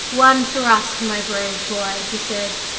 "One thrust, my brave boy!" he said.